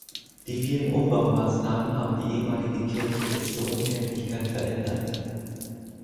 Die vielen Umbaumaßnahmen haben die ehemalige Kirche bis zur Unkenntlichkeit verändert.